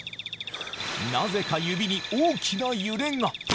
なぜか指に大きな揺れが。